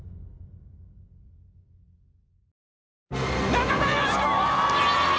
中田喜子！